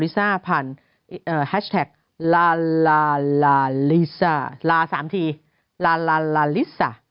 ลิซ่าผ่านเอ่อแฮชแท็กลาลาลาลีซ่าลาสามทีลาลาลาลาลีซ่า